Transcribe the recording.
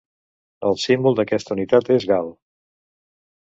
El símbol d'aquesta unitat és gal.